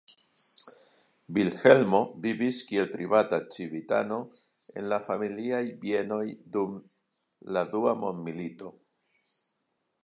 Vilhelmo vivis kiel privata civitano en la familiaj bienoj dum la Dua Mondmilito.